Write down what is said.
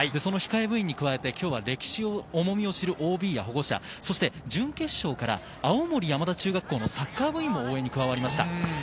控え部員に加えて、歴史の重みを知るＯＢや保護者、準決勝から青森山田中学校のサッカー部員も応援に加わりました。